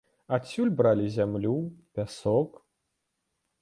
Адсюль бралі зямлю, пясок.